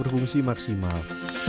untuk fungsi maksimal